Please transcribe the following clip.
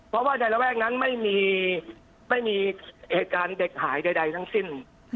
เพราะว่าในระแวกนั้นไม่มีเหตุการณ์เด็กหายใดทั้งสิ้น